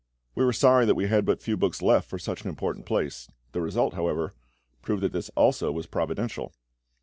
We were sorry that we had but few books left for such an important place: the result, however, proved that this also was providential.